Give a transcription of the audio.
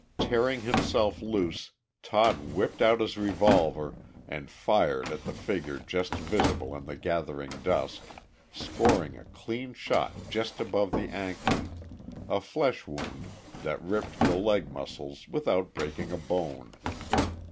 Tearing himself loose, Todd whipped out his revolver and fired at the figure just visible in the gathering dusk, scoring a clean shot just above the ankle a flesh wound, that ripped the leg muscles without breaking a bone.